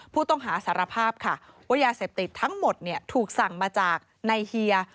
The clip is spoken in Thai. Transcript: ผู้ต้องหาสารภาพค่ะว่ายาเสพติดทั้งหมดถูกสั่งมาจากในเฮีย